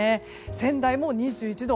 仙台も２１度